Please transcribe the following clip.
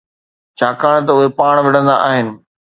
ڇاڪاڻ ته اهي پاڻ ۾ وڙهندا آهن